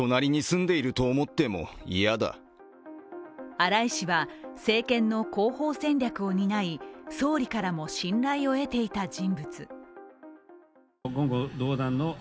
荒井氏は政権の広報戦略を担い、総理からも信頼を得ていた人物。